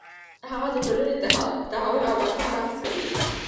هغه د ټولنې د تحول او بدلون بحث کوي.